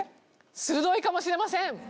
鋭いかもしれません。